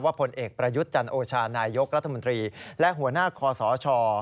ผลเอกประยุทธ์จันโอชานายกรัฐมนตรีและหัวหน้าคอสช